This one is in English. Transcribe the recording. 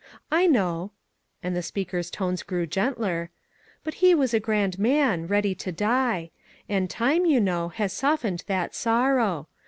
"I know," and the speaker's tones grew gentler, " but he was a grand man, ready to die ; and time, you know, has softened that sorrow.